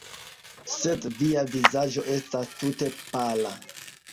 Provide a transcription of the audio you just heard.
Sed via vizaĝo estas tute pala!